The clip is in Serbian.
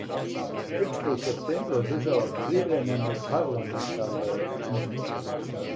Грчка у септембру одржава пријевремене парламентарне изборе